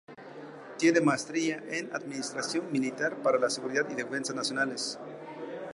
Tiene maestría en Administración Militar para la Seguridad y Defensa Nacionales.